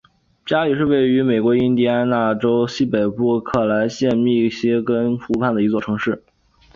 加里是位于美国印第安纳州西北部莱克县密歇根湖畔的一座城市。